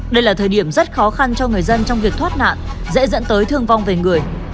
đây là thời điểm rất khó khăn cho người dân trong việc thoát nạn dễ dẫn tới thương vong về người